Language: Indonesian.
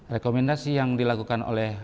rekomendasi yang dilakukan oleh